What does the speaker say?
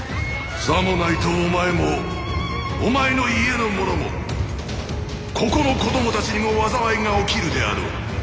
・さもないとお前もお前の家の者もここの子どもたちにも災いが起きるであろう。